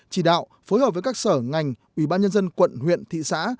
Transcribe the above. chỉ đạo phối hợp với các sở ngành ubnd quận huyện thị xã